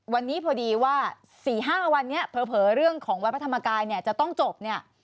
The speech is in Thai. วันนี้พอดีว่า๔๕วันเผลอเรื่องของวัดพระธรรมกายจะต้องจบ